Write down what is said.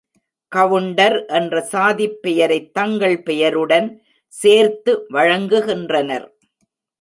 Counter என்ற சாதிப் பெயரைத் தங்கள் பெயருடன் சேர்த்து வழங்குகின்றனர்.